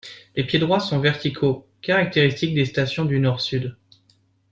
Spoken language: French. Les piédroits sont verticaux, caractéristiques des stations du Nord-Sud.